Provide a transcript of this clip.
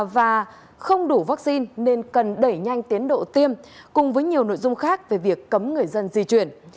và không đủ vaccine nên cần đẩy nhanh tiến độ tiêm cùng với nhiều nội dung khác về việc cấm người dân di chuyển